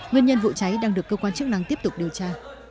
nguyên nhân vụ cháy đang được cơ quan chức năng tiếp tục điều tra